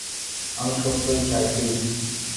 আমি সত্যিই চাই, প্লিজ।